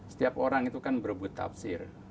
setiap orang itu kan berbutafsir